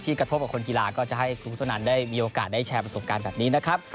กระทบกับคนกีฬาก็จะให้คุณพุทธนันได้มีโอกาสได้แชร์ประสบการณ์แบบนี้นะครับ